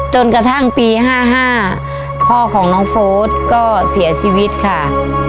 จนกระทั่งปี๕๕พ่อของน้องโฟสก็เสียชีวิตค่ะ